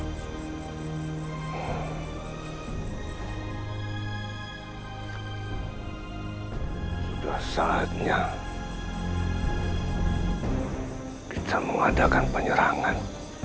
sudah saatnya kita mengadakan penyerangan